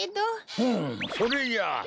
うむそれじゃ！